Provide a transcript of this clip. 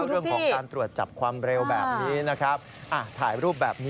เรื่องของการตรวจจับความเร็วแบบนี้นะครับ